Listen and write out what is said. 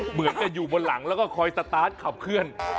เหมือนจะอยู่บนหลังแล้วก็คอยสตาร์ทขับเคลื่อน